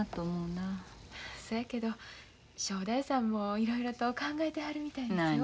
そやけど正太夫さんもいろいろと考えてはるみたいですよ。